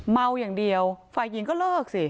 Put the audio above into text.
เมาอย่างเดียวฝ่ายหญิงก็เลิกสิ